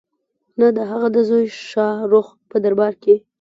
نه د هغه د زوی شاه رخ په دربار کې.